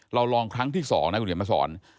เราลองครั้งที่๒นะหลุดหญิงอัมพาสร